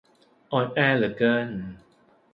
อ่อนแอเหลือเกิน